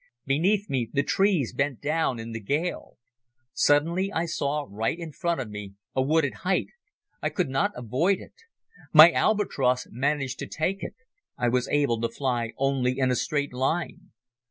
Beneath me the trees bent down in the gale. Suddenly I saw right in front of me a wooded height. I could not avoid it. My Albatros managed to take it. I was able to fly only in a straight line.